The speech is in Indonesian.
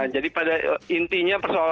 jadi pada intinya pertanyaannya